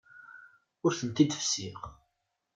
Ur tent-id-fessiɣ.